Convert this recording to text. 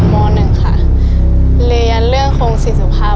คำเอกในโครงสี่สุภาพ